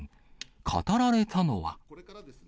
語られたのは。